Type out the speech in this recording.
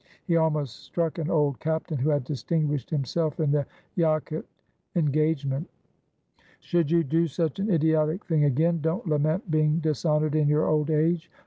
He almost struck an old captain who had distinguished himself in the Yaqut en gagement. "Should you do such an idiotic thing again, don't la ment being dishonored in your old age!